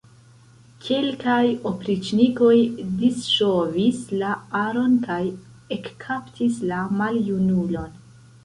Kelkaj opriĉnikoj disŝovis la aron kaj ekkaptis la maljunulon.